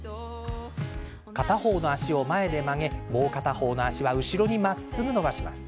片方の足を前で曲げもう片方の足は後ろにまっすぐ伸ばします。